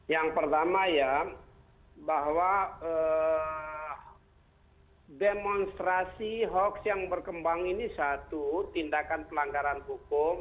yang pertama ya bahwa demonstrasi hoax yang berkembang ini satu tindakan pelanggaran hukum